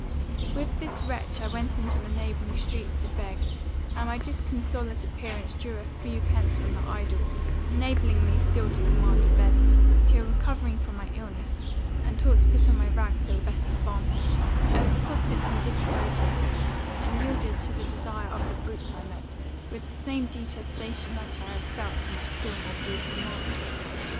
"With this wretch I went into the neighbouring streets to beg, and my disconsolate appearance drew a few pence from the idle, enabling me still to command a bed; till, recovering from my illness, and taught to put on my rags to the best advantage, I was accosted from different motives, and yielded to the desire of the brutes I met, with the same detestation that I had felt for my still more brutal master.